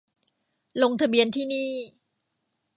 ลงทะเบียนที่นี่